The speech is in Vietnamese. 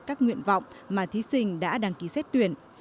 các nguyện vọng mà thí sinh đã đăng ký xét tuyển